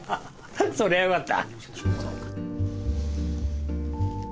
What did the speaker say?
そりゃよかった。